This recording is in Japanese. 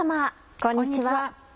こんにちは。